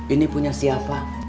ini punya siapa